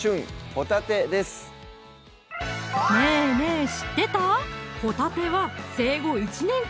ホタテ」ですねぇねぇ知ってた？